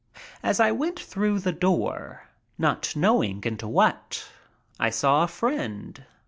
As I went through the door, not knowing into what, I saw a friend.